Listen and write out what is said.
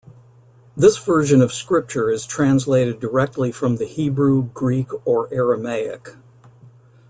This version of scripture is translated directly from the Hebrew, Greek or Aramaic.